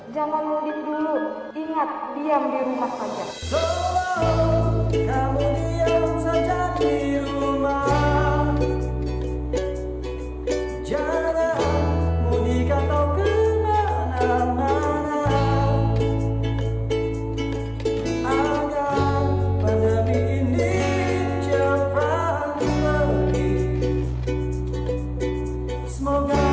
jangan mudik dulu ingat diam di rumah saja